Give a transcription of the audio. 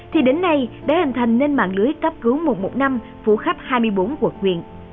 thì đến nay đã hình thành nên mạng lưới cấp cứu một trăm một mươi năm phủ khắp hai mươi bốn quận huyện